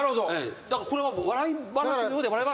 だからこれは笑い話のようで笑い話じゃない。